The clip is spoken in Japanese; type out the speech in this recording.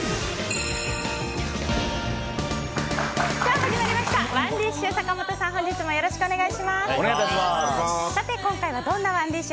始まりましたＯｎｅＤｉｓｈ。